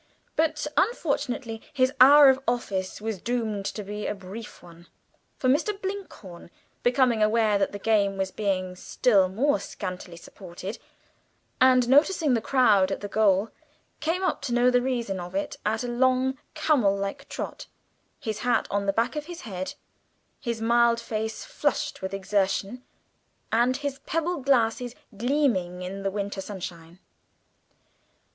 But unfortunately his hour of office was doomed to be a brief one, for Mr. Blinkhorn, becoming aware that the game was being still more scantily supported, and noticing the crowd at the goal, came up to know the reason of it at a long camel like trot, his hat on the back of his head, his mild face flushed with exertion, and his pebble glasses gleaming in the winter sunshine.